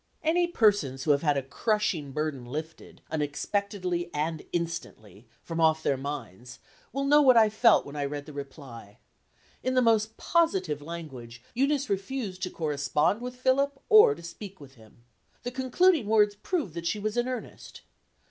Any persons who have had a crushing burden lifted, unexpectedly and instantly, from off their minds, will know what I felt when I read the reply. In the most positive language, Eunice refused to correspond with Philip, or to speak with him. The concluding words proved that she was in earnest.